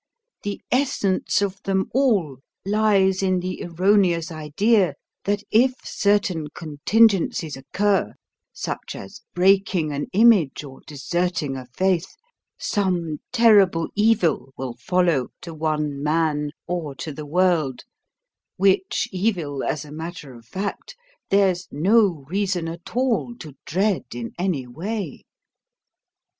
The essence of them all lies in the erroneous idea that if certain contingencies occur, such as breaking an image or deserting a faith, some terrible evil will follow to one man or to the world, which evil, as a matter of fact, there's no reason at all to dread in any way.